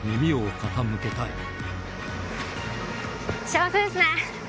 幸せですね。